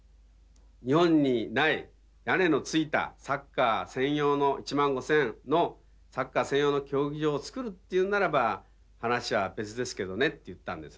日本にない屋根のついた１万５，０００のサッカー専用の競技場を造るっていうんならば話は別ですけどねって言ったんですね。